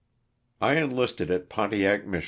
T ENLISTED at Pontiac, Mich.